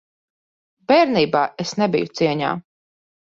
Bērnībā es nebiju cieņā.